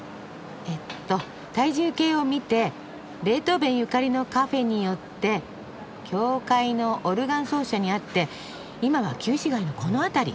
えっと体重計を見てベートーベンゆかりのカフェに寄って教会のオルガン奏者に会って今は旧市街のこの辺り。